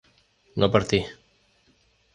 no partís